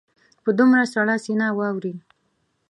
په دومره سړه سینه واوري.